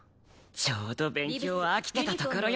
ちょうど勉強は飽きてたところよ。